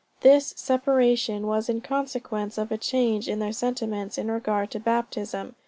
This separation was in consequence of a change in their sentiments in regard to baptism.